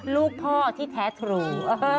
ลูกพ่อที่แท้ทรู